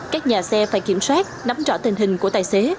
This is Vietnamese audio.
các nhà xe phải kiểm soát nắm rõ tình hình của tài xế